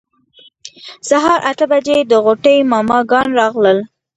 سهار اته بجې د غوټۍ ماما ګان راغلل.